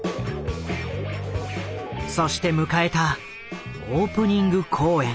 そして迎えたオープニング公演。